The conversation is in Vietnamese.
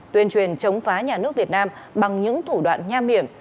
tuyên truyền chống phá nhà nước việt nam bằng những thủ đoạn nham hiểm